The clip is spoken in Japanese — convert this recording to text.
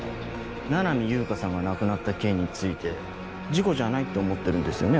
「七海悠香さんが亡くなった件について事故じゃないって思ってるんですよね